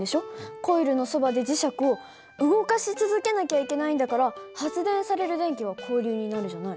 コイルのそばで磁石を動かし続けなきゃいけないんだから発電される電気は交流になるじゃない。